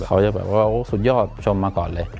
เขาจะแบบว่าสุดยอดผู้ชมมาก่อนเลย